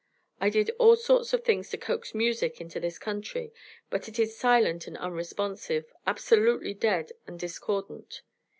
I did all sorts of things to coax music into this country, but it is silent and unresponsive, absolutely dead and discordant."